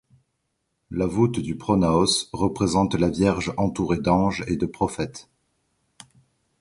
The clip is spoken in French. La voûte du pronaos représente la vierge entourée d'anges et de prophètes.